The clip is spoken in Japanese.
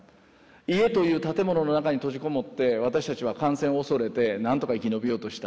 家という建物の中に閉じこもって私たちは感染を恐れて何とか生き延びようとした。